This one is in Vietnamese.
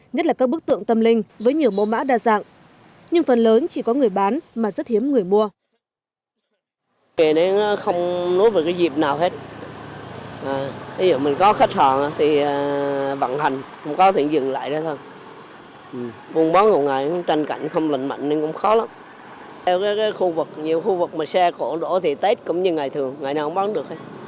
nhất là các bức tượng tâm linh với nhiều mô mã đa dạng nhưng phần lớn chỉ có người bán mà rất hiếm người mua